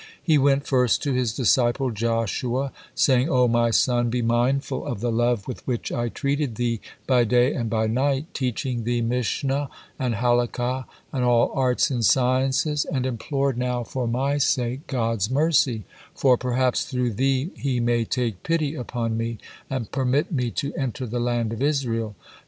He went first to his disciple Joshua, saying: "O my son, be mindful of the love with which I treated thee by day and by night, teaching thee mishnah and halakah, and all arts and sciences, and implore now for my sake God's mercy, for perhaps through thee He may take pity upon me, and permit me to enter the land of Israel."